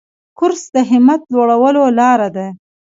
کورس د همت لوړولو لاره ده.